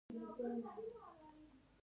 میرویس نیکه څه وکړل؟